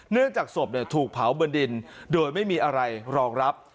เนื่องจากศพถูกเผาบนดินโดยไม่มีอะไรรองรับ